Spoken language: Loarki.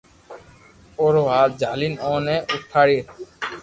اورو ھاٿ جھالِین اوني اُوٺاڙي